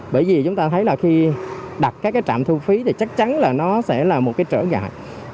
bởi vì chúng ta thấy là khi đặt các cái trạm thu phí thì chắc chắn là nó sẽ là một cái trở ngại